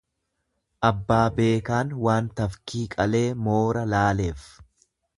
Abbaa beekaan waan tafkii qalee moora laaleef.